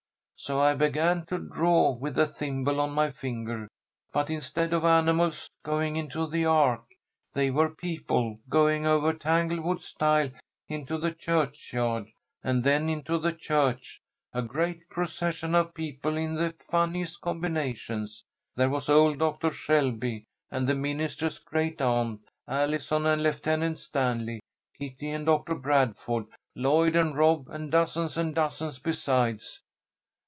So I began to draw with the thimble on my finger, but instead of animals going into the ark they were people going over Tanglewood stile into the churchyard, and then into the church a great procession of people in the funniest combinations. There was old Doctor Shelby and the minister's great aunt, Allison and Lieutenant Stanley, Kitty and Doctor Bradford, Lloyd and Rob, and dozens and dozens besides."